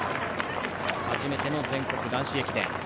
初めての全国男子駅伝。